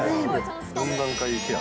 ４段階ケア。